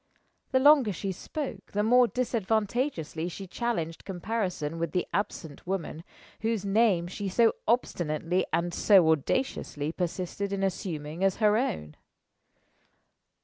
The longer she spoke, the more disadvantageously she challenged comparison with the absent woman, whose name she so obstinately and so audaciously persisted in assuming as her own.